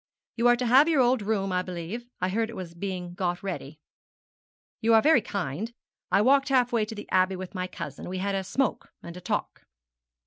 'You are to have your old room, I believe; I heard it was being got ready.' 'You are very kind. I walked half way to the Abbey with my cousin. We had a smoke and a talk.'